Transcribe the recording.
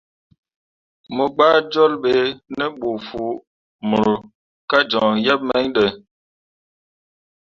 Mo gɓah jol be ne ɓə foo mor ka joŋ yebmain ɗə.